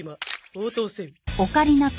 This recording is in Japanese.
応答せよ。